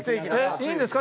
いいんですか？